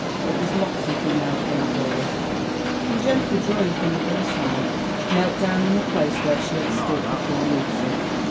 It was Lotte who now came forward, and gently drawing her mo ther aside, knelt down in the place where she had stood before Lucy.